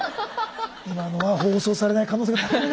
今のは放送されない可能性が高いよ？